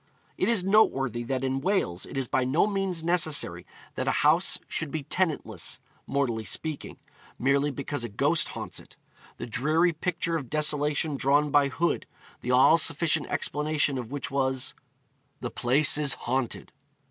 It is noteworthy that in Wales it is by no means necessary that a house should be tenantless, mortally speaking, merely because a ghost haunts it. The dreary picture of desolation drawn by Hood, the all sufficient explanation of which was ... the place is haunted!